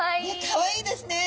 かわいいですね！